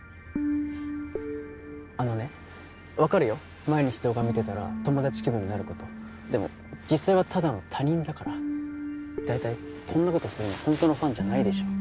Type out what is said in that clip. あのね分かるよ毎日動画見てたら友達気分になることでも実際はただの他人だから大体こんなことするのほんとのファンじゃないでしょ